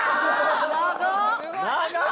長っ！